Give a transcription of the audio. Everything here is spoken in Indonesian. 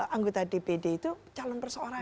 anggota dpd itu calon persoarangan